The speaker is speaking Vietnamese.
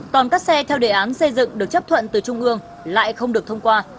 còn các xe theo đề án xây dựng được chấp thuận từ trung ương lại không được thông qua